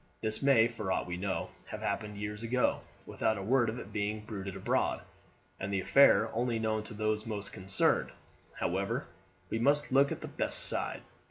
This may, for aught we know, have happened years ago, without a word of it being bruited abroad, and the affair only known to those most concerned. However, we must look at the best side.